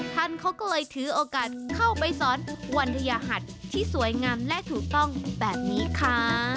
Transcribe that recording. ท่านเขาก็เลยถือโอกาสเข้าไปสอนวันทยหัสที่สวยงามและถูกต้องแบบนี้ค่ะ